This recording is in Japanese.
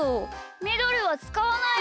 みどりはつかわないよ。